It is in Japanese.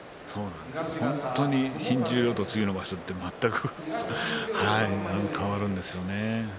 本当に新十両と、次の場所は全く変わるんですよね。